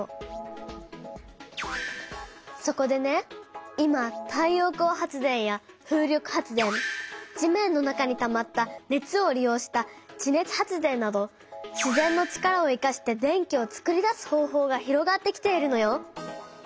そこでね今太陽光発電や風力発電地面の中にたまった熱を利用した地熱発電などしぜんの力を生かして電気をつくり出す方法が広がってきているのよ。